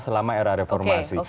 selama era reformasi